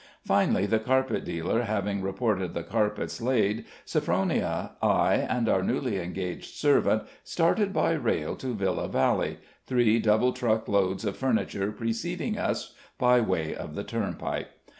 Finally, the carpet dealer having reported the carpets laid, Sophronia, I, and our newly engaged servant, started by rail to Villa Valley, three double truck loads of furniture preceding us by way of the turnpike.